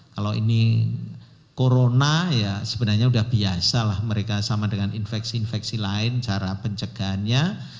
kalau ini corona ya sebenarnya sudah biasa lah mereka sama dengan infeksi infeksi lain cara pencegahannya